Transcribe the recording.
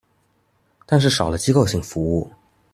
但是少了機構型服務